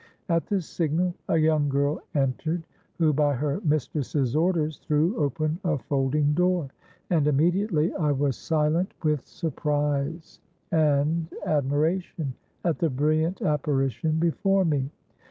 At the signal a young girl entered, who, by her mistress's orders, threw open a folding door, and immediately I was silent with surprise and admiration at the brilliant apparition before me.